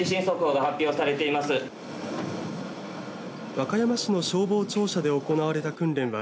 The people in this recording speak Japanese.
和歌山市の消防庁舎で行われた訓練には